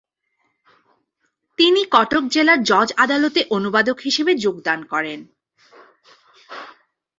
তিনি কটক জেলার জজ আদালতে অনুবাদক হিসাবে যোগদান করেন।